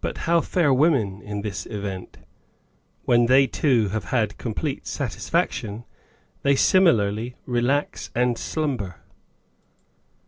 But how fare women in this event ? When they too have had complete satisfaction they similarly relax and slumber.